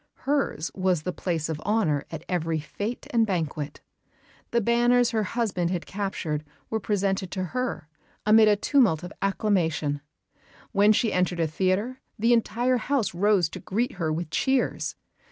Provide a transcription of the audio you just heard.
Hers was the place of honour at every fête and banquet; the banners her husband had captured were presented to her amid a tumult of acclamation; when she entered a theatre the entire house rose to greet her with cheers.